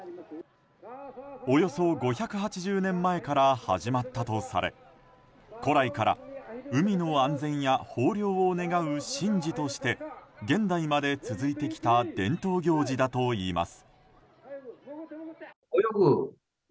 およそ５８０年前から始まったとされ古来から海の安全や豊漁を願う神事として現代まで続いてきた伝統行事だといいます。